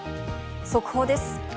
速報です。